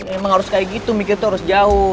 emang harus kayak gitu mikir itu harus jauh